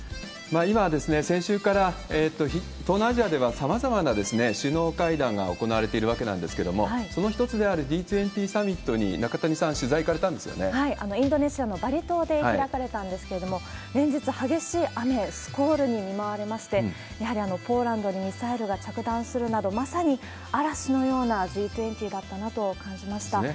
今、先週から東南アジアではさまざまな首脳会談が行われているわけなんですけれども、その一つであるＧ２０サミットに中谷さん、インドネシアのバリ島で開かれたんですけれども、連日、激しい雨、スコールに見舞われまして、やはりポーランドにミサイルが着弾するなど、まさに嵐のようなＧ２０だったなと感じましたね。